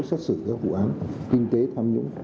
xét xử các vụ án kinh tế tham nhũng